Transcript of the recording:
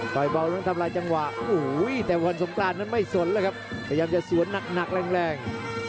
เบานั้นทำลายจังหวะโอ้โหแต่วันสงกรานนั้นไม่สนแล้วครับพยายามจะสวนหนักแรง